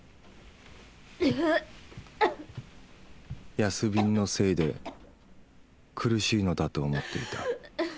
安瓶のせいで苦しいのだと思っていた